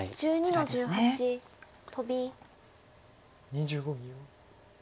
２５秒。